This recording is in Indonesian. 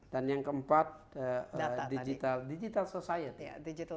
dan yang keempat digital society